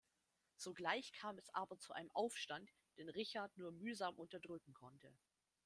Sogleich kam es aber zu einem Aufstand, den Richard nur mühsam unterdrücken konnte.